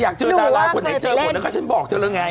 อยากเจอตลาดคนไหนเจอหมดแล้วก็ฉันบอกเจอเรื่องไง